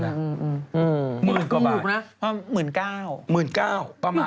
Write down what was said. นี่เป็นสูงขึ้นหยุดนะ๑๙๐๐๐อาทิตย์๑๙๐๐๐ประมาณนั้น